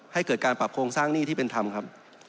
ให้เกิดการปรับโครงสร้างหนี้ที่เป็นธรรมครับ